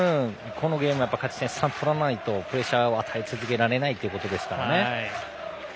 このゲームでは勝ち点３を取らないとプレッシャーを与え続けられないということですからね。